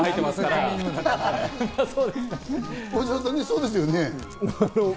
まぁ、そうですよね。